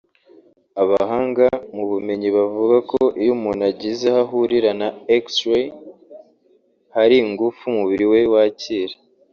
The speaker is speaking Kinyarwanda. Abahanga mu bumenyi bavuga ko iyo umuntu agize aho ahurira na X-Ray hari ingufu umubiri we wakira